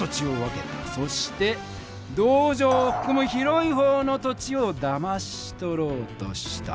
そして道場をふくむ広い方の土地をだまし取ろうとした。